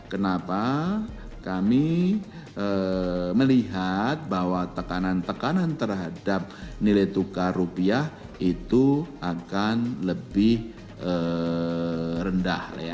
kenapa kami melihat bahwa tekanan tekanan terhadap nilai tukar rupiah itu akan lebih rendah